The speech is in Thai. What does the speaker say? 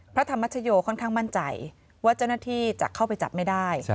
พระธรรมชโยค่อนข้างมั่นใจว่าเจ้าหน้าที่จะเข้าไปจับไม่ได้